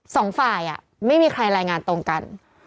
สองฝ่ายไม่มีใครรายงานตรงกัน